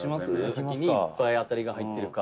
「紫にいっぱい当たりが入ってるか」